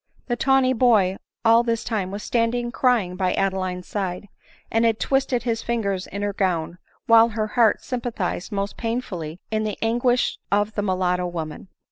The tawny boy all this time was standing, crying, by Adeline's side, and had twisted his fingers in her gown, while her heart sympathized most painfully in the anguish of the mulatto woman.